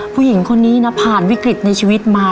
ผู้หญิงคนนี้นะผ่านวิกฤตในชีวิตมา